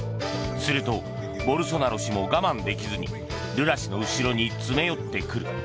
すると、ボルソナロ氏も我慢できずにルラ氏の後ろに詰め寄ってくる。